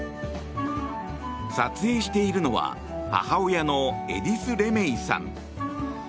撮影しているのは母親のエディス・レメイさん。